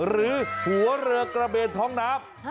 หรือหัวเรือกระเบนท้องน้ำ